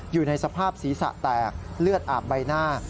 อยู่ในสภาพศีรษะแตกเลือดอาบใบหน้า